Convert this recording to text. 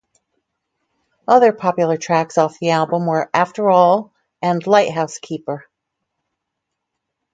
Other popular tracks off the album were "After All", and "Lighthouse Keeper.